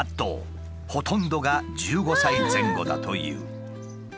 ほとんどが１５歳前後だという。